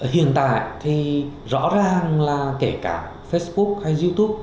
hiện tại thì rõ ràng là kể cả facebook hay youtube